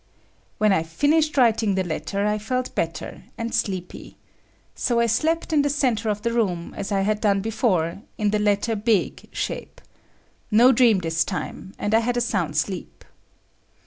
When I finished writing the letter, I felt better and sleepy. So I slept in the centre of the room, as I had done before, in the letter "big" shape ([D]). No dream this time, and I had a sound sleep.